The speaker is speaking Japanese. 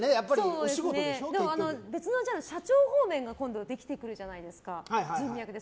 別の社長方面が今度できてくるじゃないですか人脈が。